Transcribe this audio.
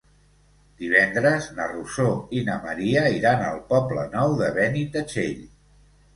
Divendres na Rosó i na Maria iran al Poble Nou de Benitatxell.